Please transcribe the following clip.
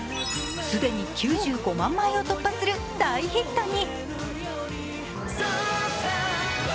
既に９５万枚を突破する大ヒットに。